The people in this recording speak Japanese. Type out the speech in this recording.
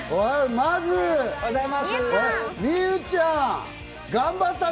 まず美羽ちゃん、頑張ったね！